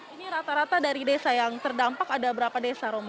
ini rata rata dari desa yang terdampak ada berapa desa romo